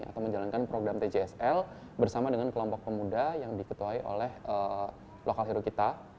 atau menjalankan program tjsl bersama dengan kelompok pemuda yang diketuai oleh lokal hero kita